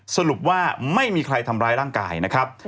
สรุปว่าไม่มีใครทำร้ายร่างกายนะครับ